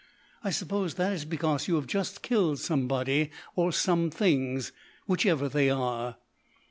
"I suppose that is because you have just killed somebody or somethings whichever they are."